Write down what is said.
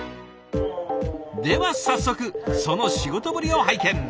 では早速その仕事ぶりを拝見。